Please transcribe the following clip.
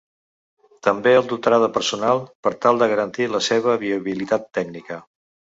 També el dotarà de personal per tal de garantir la seva viabilitat tècnica.